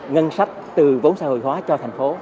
ngân sách từ vốn xã hội hóa cho thành phố